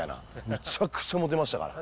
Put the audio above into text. むちゃくちゃもてましたから。